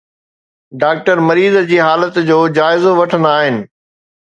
doctor مريض جي حالت جو جائزو وٺندا آهن